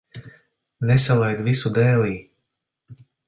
Nesalaid visu dēlī.